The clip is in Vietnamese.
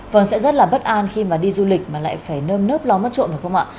vâng sẽ rất là bất an khi đi du lịch mà lại phải nơm nớp ló mất trộm phải không ạ